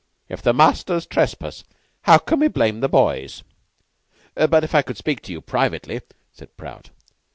If the masters trespass, how can we blame the boys?" "But if I could speak to you privately," said Prout.